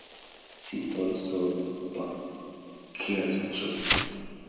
See also vacuous truth.